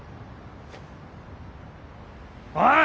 おい！